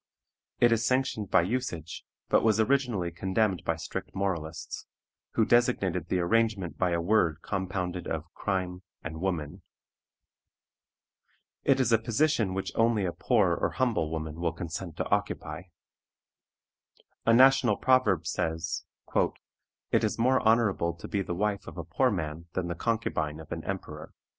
It is sanctioned by usage, but was originally condemned by strict moralists, who designated the arrangement by a word compounded of crime and woman. It is a position which only a poor or humble woman will consent to occupy. A national proverb says, "It is more honorable to be the wife of a poor man than the concubine of an emperor."